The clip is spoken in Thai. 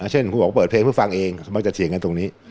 เช่นคุณบอกว่าเปิดเพลงเพื่อฟังเองเขามักจะเถียงกันตรงนี้